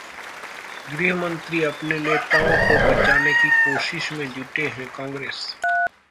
गृहमंत्री अपने नेताओं को बचाने की कोशिश में जुटे हैं: कांग्रेस